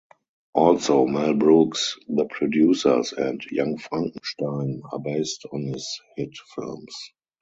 Also, Mel Brooks's "The Producers" and "Young Frankenstein" are based on his hit films.